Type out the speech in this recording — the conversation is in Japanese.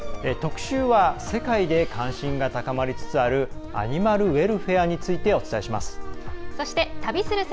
特集は世界で関心が高まりつつあるアニマルウェルフェアについてお伝えします。